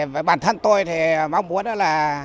với bản thân tôi thì mong muốn là